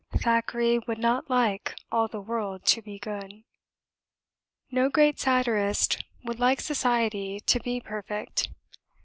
Thackeray would not like all the world to be good; no great satirist would like society to be perfect.